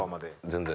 全然。